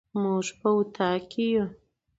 موږ په اطاق کي يو